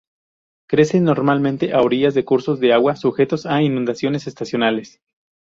Crece normalmente a orillas de cursos de agua sujetos a inundaciones estacionales.